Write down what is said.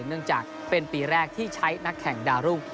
เนื่องจากเป็นปีแรกที่ใช้นักแข่งดาวรุ่ง